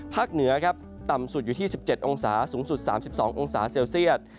เหนือครับต่ำสุดอยู่ที่๑๗องศาสูงสุด๓๒องศาเซลเซียต